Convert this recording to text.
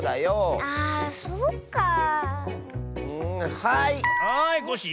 はいコッシー。